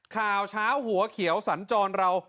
ข่าวเช้าหัวเขียวสัญจรเรา